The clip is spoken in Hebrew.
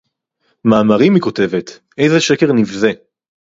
מאמרים היא כותבת! איזה שקר נבזה!